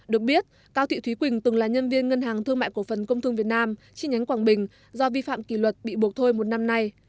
được biết cao thị thúy quỳnh từng là nhân viên ngân hàng thương mại cổ phần công thương việt nam chi nhánh quảng bình do vi phạm kỳ luật bị buộc thôi một năm nay